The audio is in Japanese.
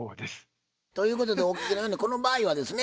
ということでお聞きのようにこの場合はですね